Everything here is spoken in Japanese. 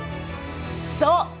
そう！